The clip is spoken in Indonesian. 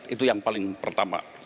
itu yang paling pertama